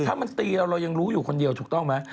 ถ้ามันตีเราเรายังรู้อยู่คนเดียวถูกต้องไหม